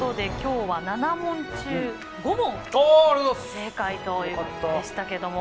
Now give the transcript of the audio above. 正解ということでしたけども。